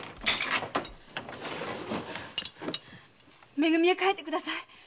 「め組」へ帰ってください。